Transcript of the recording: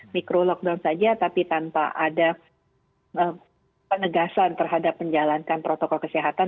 mikro lockdown saja tapi tanpa ada penegasan terhadap menjalankan protokol kesehatan